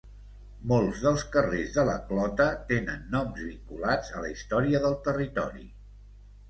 Molts dels carrers de la Clota tenen noms vinculats a la història del territori.